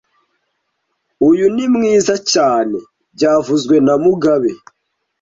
Uyu ni mwiza cyane byavuzwe na mugabe